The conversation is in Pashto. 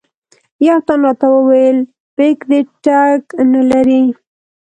یوه تن راته وویل بیک دې ټګ نه لري.